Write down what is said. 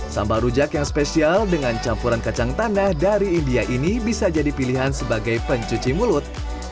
sambal rujak yang spesial dengan campuran kacang tanah dari india ini bisa jadi pilihan sebagai pencuci mulut